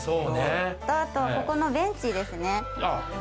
あとここのベンチですね。